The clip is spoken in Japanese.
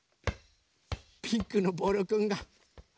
ピンクのボールくんが。